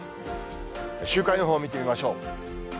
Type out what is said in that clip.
週間予報を見てみましょう。